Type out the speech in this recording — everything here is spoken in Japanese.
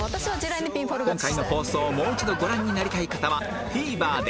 今回の放送をもう一度ご覧になりたい方は ＴＶｅｒ で